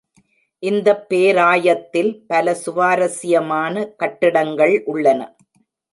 இந்தப் பேராயத்தில் பல சுவாரஸ்யமான கட்டிடங்கள் உள்ளன.